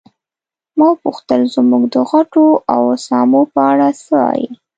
ما وپوښتل زموږ د غوټو او اسامو په اړه څه وایې.